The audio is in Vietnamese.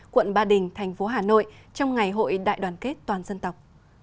quận ba đình thành phố hà nội trong ngày hội đại đoàn kết toàn dân tộc